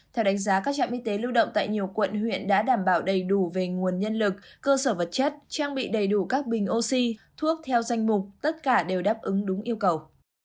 theo đánh giá các trạm y tế lưu động tại nhiều quận huyện đã đảm bảo đầy đủ về nguồn nhân lực cơ sở vật chất trang bị đầy đủ các bình oxy thuốc theo danh mục tất cả đều đáp ứng đúng yêu cầu